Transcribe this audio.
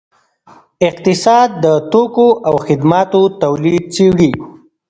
اقتصاد د توکو او خدماتو تولید څیړي.